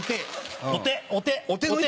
お手。